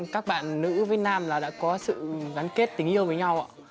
các bạn nữ với nam là đã có sự gắn kết tình yêu với nhau